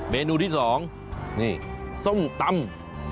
เมนูที่๒นี่ส้มตำ